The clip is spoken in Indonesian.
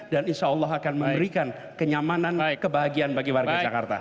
dan insya allah akan memberikan kenyamanan kebahagiaan bagi warga jakarta